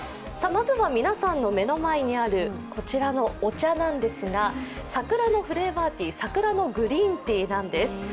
まずは皆さんの目の前にあるこちらのお茶なんですが、桜のフレーバーティー、桜のグリーンティーなんです。